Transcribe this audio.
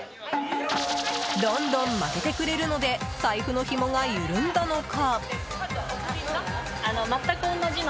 どんどんまけてくれるので財布のひもが緩んだのか。